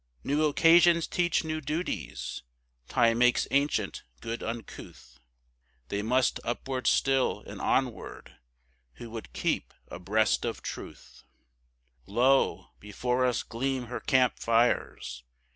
New occasions teach new duties; Time makes ancient good uncouth; They must upward still, and onward, who would keep abreast of Truth; Lo, before us gleam her camp fires!